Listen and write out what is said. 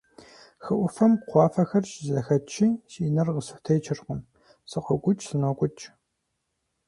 Хы Ӏуфэм кхъуафэхэр щызэхэтщи, си нэр къысхутечыркъым: сыкъокӀукӀ-сынокӀукӀ.